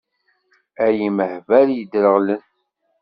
Ay imehbal yedreɣlen!